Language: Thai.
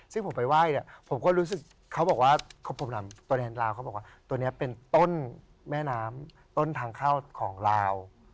ซึ่งผมไปไหว้เนี่ยผมก็รู้สึกเขาบอกว่าตัวแดนลาวเขาบอกว่าตัวนี้เป็นต้นแม่น้ำต้นทางเข้าของลาว